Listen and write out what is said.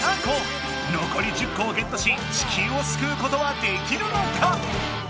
のこり１０個をゲットし地球をすくうことはできるのか？